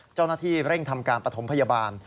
เจ้าหน้าที่เร่งทำการปฐมพยาบาล